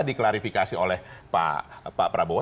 diklarifikasi oleh pak prabowo